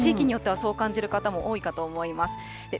地域によってはそう感じる方も多いかと思います。